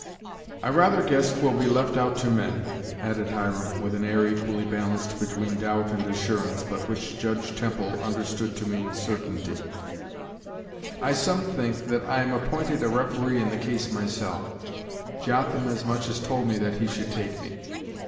"I rather guess 'twill be left out to men," added Hiram, with an air equally balanced between doubt and assurance, but which judge Temple understood to mean certainty; "I some think that I am appointed a referee in the case myself; Jotham as much as told me that he should take me.